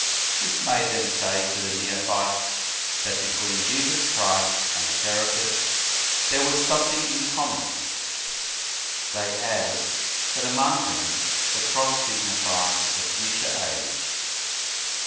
This made them say to the neophytes, that between Jesus Christ and Serapis there was some thing in common. They added, that among them the cross signified the future age.